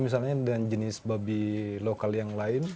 misalnya dengan jenis babi lokal yang lain